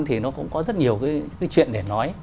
thì nó cũng có rất nhiều cái chuyện để nói